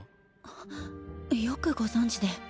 あっよくご存じで。